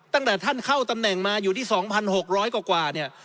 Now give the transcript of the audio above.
ตั้งแต่ท่านเข้าตำแหน่งมาอยู่ที่๒๖๐๐กว่าเนี่ย